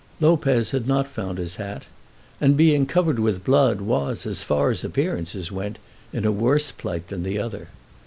Lopez had not found his hat, and, being covered with blood, was, as far as appearances went, in a worse plight than the other.